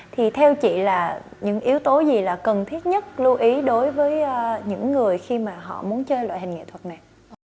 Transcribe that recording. thì theo chị là những yếu tố gì là cần thiết nhất lưu ý đối với những người khi mà họ muốn chơi loại hình nghệ thuật này